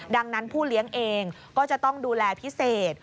ดังนั้นผู้เลี้ยงเองก็จะต้องดูแลพิเศษ